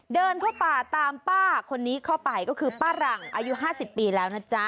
เดินเข้าป่าตามป้าคนนี้เข้าไปก็คือป้าหลังอายุ๕๐ปีแล้วนะจ๊ะ